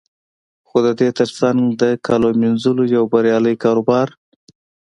خو د دې تر څنګ د کالو مینځلو یو بریالی کاروبار